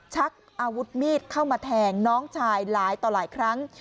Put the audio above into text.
ชักอาวุธมีดเข้ามาแทงน้องชายหลายต่อหลายครั้ง